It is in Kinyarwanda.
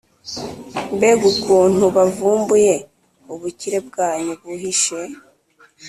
mbega ukuntu bavumbuye ubukire bwanyu buhishe!